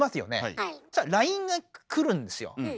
そしたらＬＩＮＥが来るんですよ。